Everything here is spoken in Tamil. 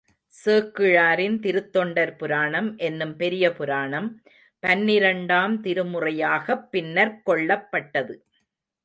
சேக்கிழாரின் திருத்தொண்டர் புராணம் என்னும் பெரிய புராணம் பன்னிரண்டாம் திருமுறையாகப் பின்னர்க் கொள்ளப்பட்டது.